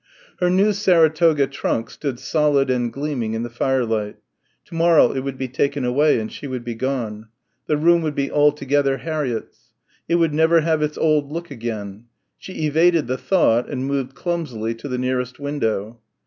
Her new Saratoga trunk stood solid and gleaming in the firelight. To morrow it would be taken away and she would be gone. The room would be altogether Harriett's. It would never have its old look again. She evaded the thought and moved clumsily to the nearest window.